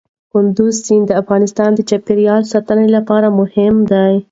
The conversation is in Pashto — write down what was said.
کندز سیند د افغانستان د چاپیریال ساتنې لپاره مهم دی.